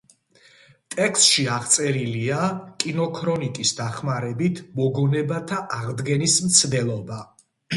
ტექსტში აღწერილია კინოქრონიკის დახმარებით მოგონებათა აღდგენის მცდელობა.